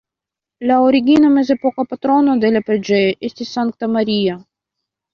La origina mezepoka patrono de la preĝejo estis Sankta Maria.